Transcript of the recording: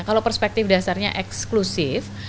kalau perspektif dasarnya eksklusif